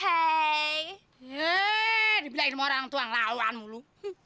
heeeeh dibilangin sama orang tua ngelawan mulu